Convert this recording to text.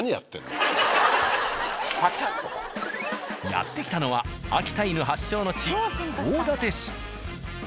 やって来たのは秋田犬発祥の地大館市。